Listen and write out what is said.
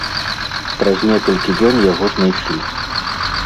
Праз некалькі дзён яго знайшлі.